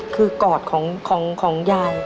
คือกอดของยาย